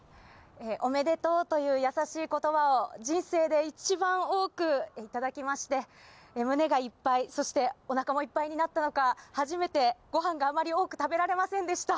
おめでとうという優しいことばを人生で一番多く頂きまして、胸がいっぱい、そしておなかもいっぱいになったのか、初めてごはんがあまり多く食べられませんでした。